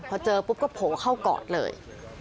พอเจอปุ๊บก็โผล่เข้ากอดเลย